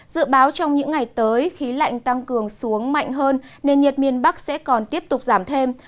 dự báo trong những ngày tới khí lạnh tăng cường xuống mạnh hơn nền nhiệt miền bắc sẽ còn tiếp tục giảm thêm